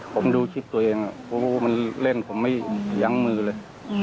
ผมดูคลิปตัวเองมันเล่นผมไม่ยั้งมือเลย